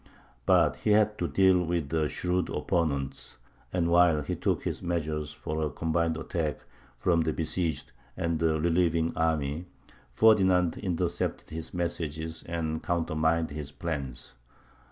But he had to deal with a shrewd opponent; and while he took his measures for a combined attack from the besieged and the relieving army, Ferdinand intercepted his messages and countermined his plans.